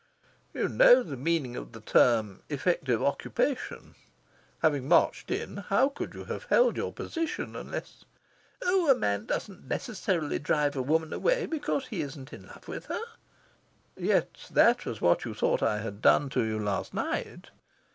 "You know the meaning of the term 'effective occupation'? Having marched in, how could you have held your position, unless" "Oh, a man doesn't necessarily drive a woman away because he isn't in love with her." "Yet that was what you thought I had done to you last night."